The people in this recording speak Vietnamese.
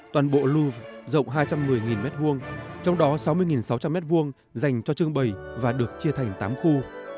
toàn bộ louse rộng hai trăm một mươi m hai trong đó sáu mươi sáu trăm linh m hai dành cho trưng bày và được chia thành tám khu